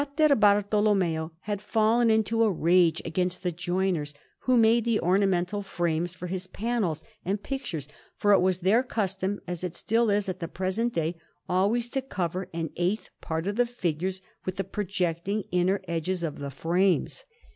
Florence: Pitti, 125_) Anderson] Fra Bartolommeo had fallen into a rage against the joiners who made the ornamental frames for his panels and pictures, for it was their custom, as it still is at the present day, always to cover an eighth part of the figures with the projecting inner edges of the frames.